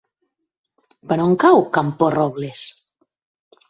Per on cau Camporrobles?